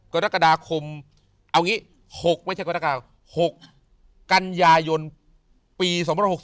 กฎกฎาคม๖กัญญายนปี๒๖๐